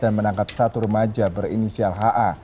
dan menangkap satu remaja berinisial ha